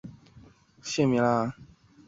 慕生忠生于吴堡县的一个农民家庭。